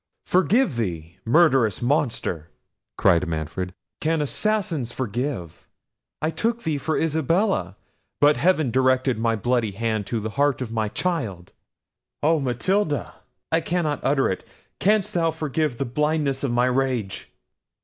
"Forgive thee! Murderous monster!" cried Manfred, "can assassins forgive? I took thee for Isabella; but heaven directed my bloody hand to the heart of my child. Oh, Matilda!—I cannot utter it—canst thou forgive the blindness of my rage?"